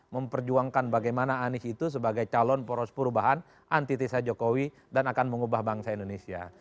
memperjuangkan bagaimana anies itu sebagai calon poros perubahan anti tisa jokowi dan akan mengubah bangsa indonesia